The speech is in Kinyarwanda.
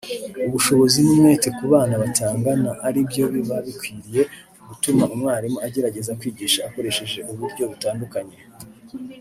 ubushobozi n’umwete ku bana bitangana ari byo biba bikwiye gutuma umwarimu agerageza kwigisha akoresheje uburyo butandukanye